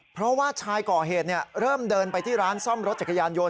เพราะว่าชายก่อเหตุเริ่มเดินไปที่ร้านซ่อมรถจักรยานยนต